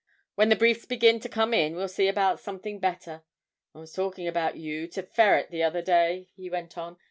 When the briefs begin to come in, we'll see about something better. I was talkin' about you to Ferret the other day,' he went on.